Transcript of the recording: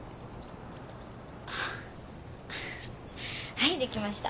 はいできました。